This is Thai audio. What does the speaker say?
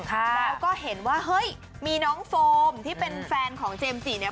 แล้วก็เห็นว่าเฮ้ยมีน้องโฟมที่เป็นแฟนของเจมส์จิเนี่ย